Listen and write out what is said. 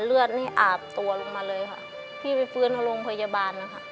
เลือดนี่อาบตัวลงมาเลยค่ะพี่ไปฟื้นโรงพยาบาลนะคะ